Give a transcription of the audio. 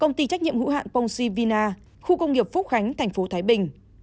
công ty trách nhiệm hữu hạn ivory việt nam